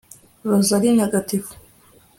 rozari ntagatifu